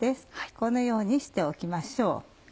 このようにしておきましょう。